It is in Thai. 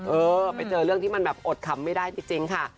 เออไปเจอเรื่องที่มันแบบอดขำไม่ได้จริงค่ะ